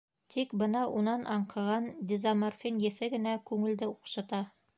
Тик бына унан аңҡыған дезоморфин еҫе генә күңелде уҡшыта.